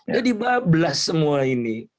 jadi bablas semua ini